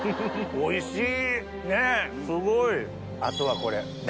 おいしい！